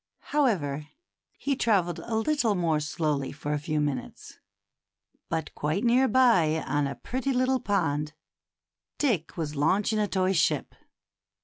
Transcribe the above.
However, he travelled a little more slowly for a few minutes. But quite near by, on a pretty little pond, Dick was launching a toy ship.